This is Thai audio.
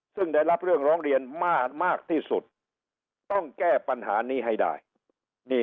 ซึ่งได้รับเรื่องร้องเรียนมากที่สุดต้องแก้ปัญหานี้ให้ได้นี่